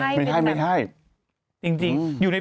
พี่แมว่ะแต่หนุ่มไม่ได้พี่แมว่ะแต่หนุ่มไม่ได้